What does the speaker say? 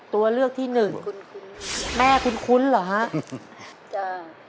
ตัวเลือกที่หนึ่งคุ้นคุ้นแม่คุ้นคุ้นเหรอฮะจ้า